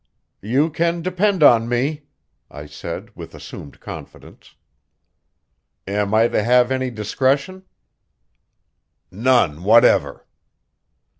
"You can depend on me," I said with assumed confidence. "Am I to have any discretion?" "None whatever."